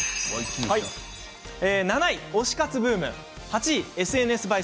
７位、推し活ブーム８位、ＳＮＳ映え